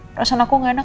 perasaan aku gak enak